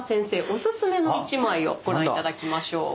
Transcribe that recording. オススメの１枚をご覧頂きましょう。